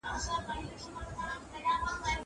زه بايد مينه وښيم!